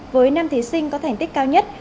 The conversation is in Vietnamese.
với năm thí sinh có thành tích cao nhất